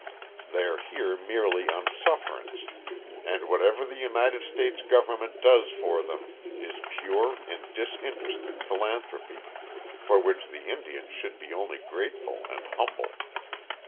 They are here merely on sufferance, and whatever the United States government does for them is pure and disinterested philanthropy, for which the Indian should be only grateful and humble.